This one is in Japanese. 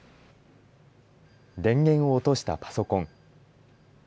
電源を落としたパソコン。